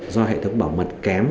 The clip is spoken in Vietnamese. do hệ thống bảo mật kém